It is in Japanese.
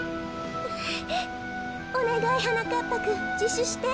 おねがいはなかっぱくんじしゅして。